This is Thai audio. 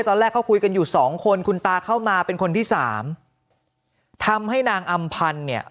ตอนแรกเขาคุยกันอยู่สองคนคุณตาเข้ามาเป็นคนที่สามทำให้นางอำพันธ์เนี่ย